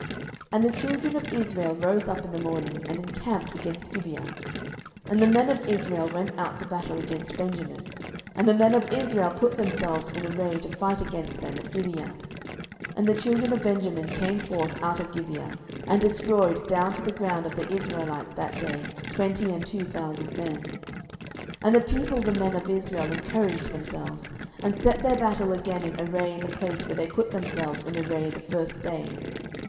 07:020:019 And the children of Israel rose up in the morning, and encamped against Gibeah. 07:020:020 And the men of Israel went out to battle against Benjamin; and the men of Israel put themselves in array to fight against them at Gibeah. 07:020:021 And the children of Benjamin came forth out of Gibeah, and destroyed down to the ground of the Israelites that day twenty and two thousand men. 07:020:022 And the people the men of Israel encouraged themselves, and set their battle again in array in the place where they put themselves in array the first day.